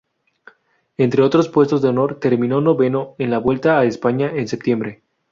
Entre otros puestos de honor, terminó noveno en la Vuelta a España en septiembre.